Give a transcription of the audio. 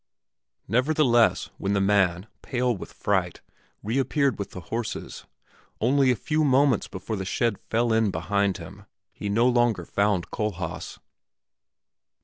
Nevertheless, when the man, pale with fright, reappeared with the horses, only a few moments before the shed fell in behind him, he no longer found Kohlhaas.